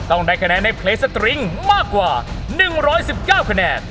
ได้คะแนนในเพลงสตริงมากกว่า๑๑๙คะแนน